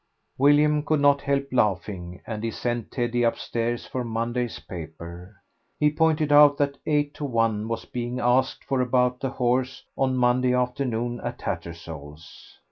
William could not help laughing, and he sent Teddy upstairs for Monday's paper. He pointed out that eight to one was being asked for about the horse on Monday afternoon at Tattersall's.